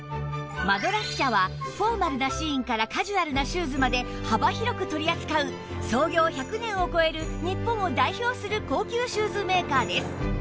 マドラス社はフォーマルなシーンからカジュアルなシューズまで幅広く取り扱う創業１００年を超える日本を代表する高級シューズメーカーです